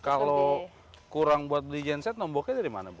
kalau kurang buat beli genset nomboknya dari mana bu